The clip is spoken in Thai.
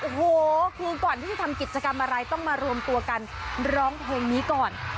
โอ้โหคือก่อนที่จะทำกิจกรรมอะไรต้องมารวมตัวกันร้องเพลงนี้ก่อน